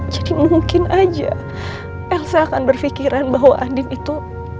jadi mungkin aja elsa akan berpikiran bahwa andin itu